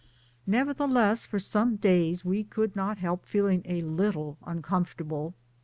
Nevertheless for some days we could not help feel ing a little uncomfortable.